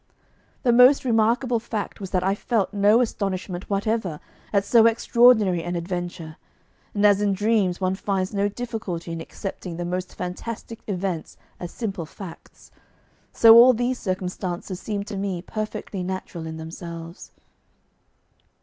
The most remarkable fact was that I felt no astonishment whatever at so extraordinary ah adventure, and as in dreams one finds no difficulty in accepting the most fantastic events as simple facts, so all these circumstances seemed to me perfectly natural in themselves.